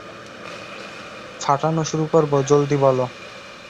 ফাটানো শুরু করবো, জলদি বলো।